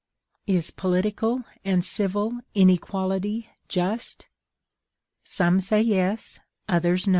Is political and civil inequality just? Some say yes; others no.